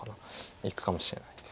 いくかもしれないです。